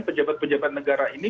pejabat pejabat negara ini